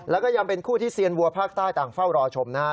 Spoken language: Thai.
แล้วก็ยังเป็นคู่ที่เซียนวัวภาคใต้ต่างเฝ้ารอชมนะฮะ